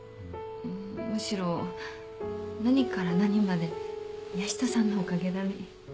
むしろ何から何まで宮下さんのおかげだね。